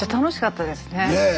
ねえ！